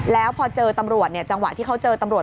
แล้วพอเจอตำรวจจังหวะที่เขาเจอตำรวจ